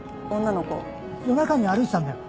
夜中に歩いてたんだよ。